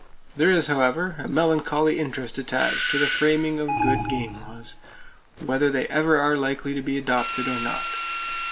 There is, however, a melancholy interest attached to the framing of good game laws, whether they ever are likely to be adopted or not.